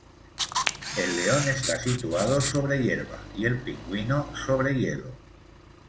El león está situado sobre hierba y el pingüino sobre hielo.